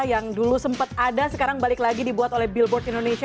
yang dulu sempat ada sekarang balik lagi dibuat oleh billboard indonesia